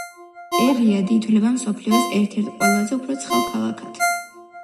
ერ-რიადი ითვლება მსოფლიოს ერთ-ერთ ყველაზე უფრო ცხელ ქალაქად.